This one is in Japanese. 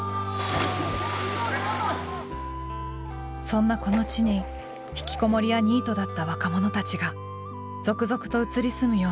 そんなこの地に引きこもりやニートだった若者たちが続々と移り住むように。